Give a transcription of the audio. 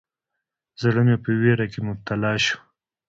زړه مې په ویره کې مبتلا شو.